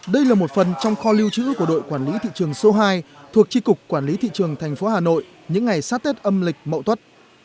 đây là một phần trong kho lưu trữ của đội quản lý thị trường số hai thuộc tri cục quản lý thị trường thành phố hà nội những ngày sát tết âm lịch mậu tuất